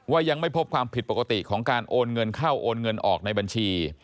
ยังไม่พบความผิดปกติของการโอนเงินเข้าโอนเงินออกในบัญชี